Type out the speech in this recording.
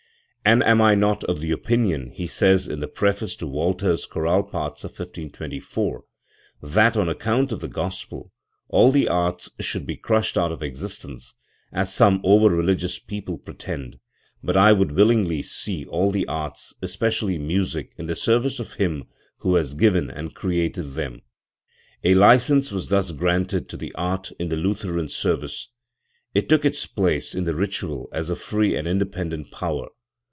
"And I am not of the opinion" he says in the preface to Walther's chorale parts of 1524, "that on account of the Gospel all the arts should be crushed out of existence, as some over religious people pretend, but I would willingly see all the arts, especially music, in the service of Him who has given and created them" . A licence was thus granted to the art in the Lutheran service ; it took its place in the ritual as a free and independ ent power.